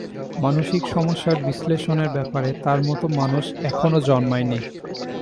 মানসিক সমস্যার বিশ্লেষণের ব্যাপারে তাঁর মতো মানুষ এখনো জন্মায় নি।